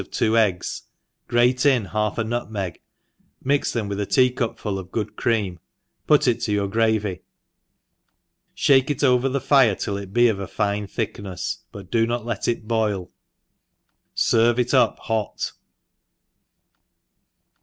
587 of two eggs, grate in half ia nutmeg, mix them with a tea cupful' of good cream, put it to your gravy, (hake it over the fire till it be of a fine thicknefs, hot do not letnt boil.; ferve it up hot.